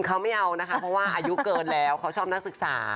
เขาไม่เอานะคะเพราะว่าอายุเกินแล้วเขาชอบนักศึกษา